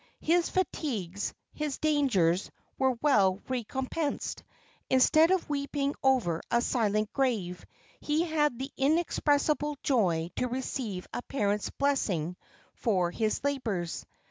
His fatigues, his dangers, were well recompensed. Instead of weeping over a silent grave, he had the inexpressible joy to receive a parent's blessing for his labours.